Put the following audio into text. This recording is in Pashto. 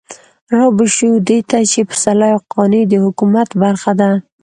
رابه شو دې ته چې پسرلي او قانع د حکومت برخه ده.